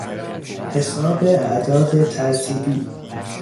حساب اعداد ترتیبی